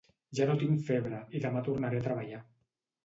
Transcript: Ja no tinc febre i demà tornaré a treballar